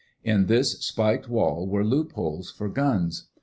In this spiked wall were loopholes for guns.